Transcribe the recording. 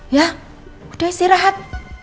ya udah istirahat